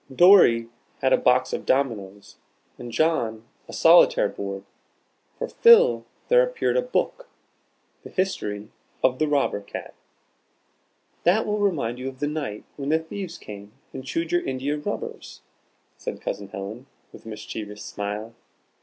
Dorry had a box of dominoes, and John a solitaire board. For Phil there appeared a book "The History of the Robber Cat." "That will remind you of the night when the thieves came and chewed your india rubbers," said Cousin Helen, with a mischievous smile.